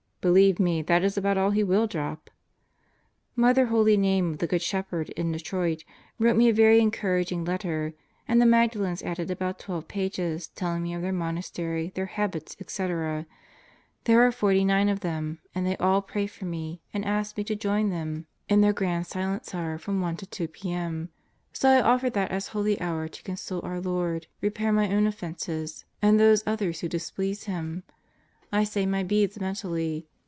(Believe me that is about aU he will drop!) Mother Holy Name of the Good Shepherd in Detroit wrote me a very encouraging letter and the Magdalens added about 12 pages telling me of their monastery, their habits, etc. There are 49 of them and they all pray for me and ask me to join them in their Grand 124 God Goes to Murderers Row Silence Hour from 1 to 2 p.m. So I offer that as Holy Hour to console our Lord, repair my own offenses and those others who dis please him. I say my beads mentally.